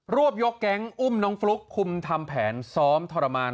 วบยกแก๊งอุ้มน้องฟลุ๊กคุมทำแผนซ้อมทรมาน